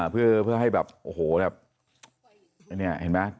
เพื่อให้แบบโอ้โหที๐๙